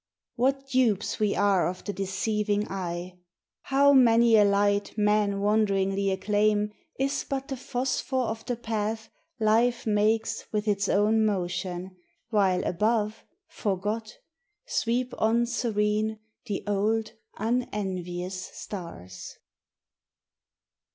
What dupes we are of the deceiving eye ! How many a light men wonderingly acclaim Is but the phosphor of the path Life makes With its own motion, while above, forgot, Sweep on serene the old unenvious stars